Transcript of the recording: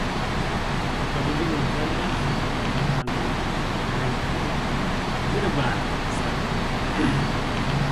After leaving Los Angeles, Nolan earned a living by appearing on the vaudeville circuit.